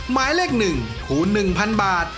หมายเลข๑คูณ๑๐๐๐บาท